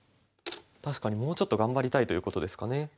確かにもうちょっと頑張りたいということですかね。